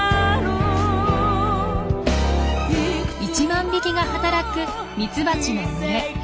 １万匹が働くミツバチの群れ。